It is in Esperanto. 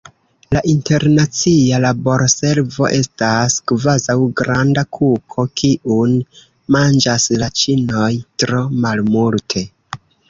La internacia laborservo estas kvazaŭ granda kuko, kiun manĝas la ĉinoj tro malmulte.